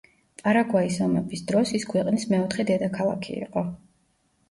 პარაგვაის ომების დროს, ის ქვეყნის მეოთხე დედაქალაქი იყო.